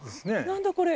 何だこれ？